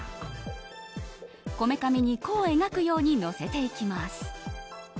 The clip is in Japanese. こめかみに弧を描くようにのせていきます。